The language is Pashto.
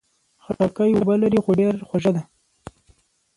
خټکی اوبه لري، خو ډېر خوږه ده.